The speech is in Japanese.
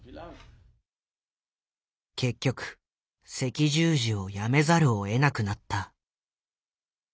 結局赤十字を辞めざるをえなくなった。